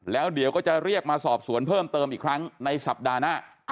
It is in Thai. แล้วเดี๋ยวก็จะเรียกมาสอบสวนเพิ่มเติมอีกครั้งในสัปดาห์หน้า